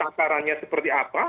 takarannya seperti apa